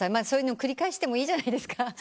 そういうの繰り返してもいいじゃないですか。